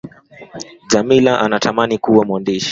Jamila anatamani kuwa mwandishi